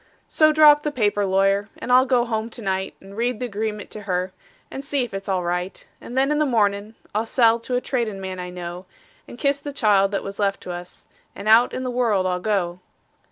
So draw up the paper, lawyer, and I'll go home to night, And read the agreement to her, and see if it's all right; And then, in the mornin', I'll sell to a tradin' man I know, And kiss the child that was left to us, and out in the world I'll go.